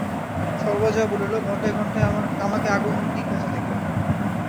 সর্বজয়া বলিল, ঘণ্টায় ঘণ্টায় তামাকে আগুন দি কোথা থেকে?